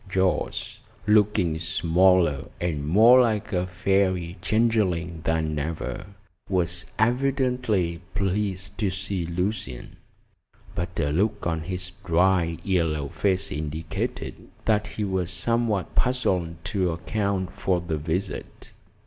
Jorce, looking smaller and more like a fairy changeling than ever, was evidently pleased to see Lucian, but a look on his dry, yellow face indicated that he was somewhat puzzled to account for the visit.